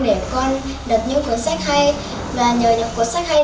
để con đặt những cuốn sách hay và nhờ những cuốn sách hay